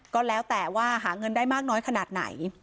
ก็แล้วแต่ว่าหาเงินได้มากน้อยขนาดไหน